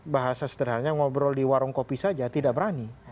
bahasa sederhana ngobrol di warung kopi saja tidak berani